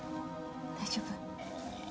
大丈夫？